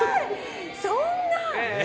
そんな。